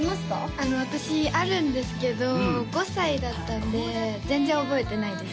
あの私あるんですけど５歳だったんで全然覚えてないです